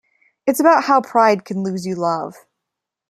It's about how pride can lose you love.